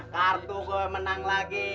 kartu saya menang lagi